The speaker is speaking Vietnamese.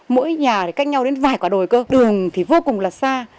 mỗi nhà thì cách nhau đến vài quả đồi cơ đường thì vô cùng là xa